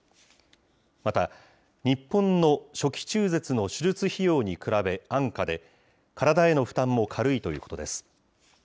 また、日本の初期中絶の手術費用に比べ安価で、体への負担も軽いということです。